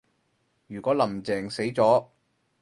如果林鄭死咗